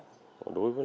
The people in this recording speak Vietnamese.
đối với những đối tượng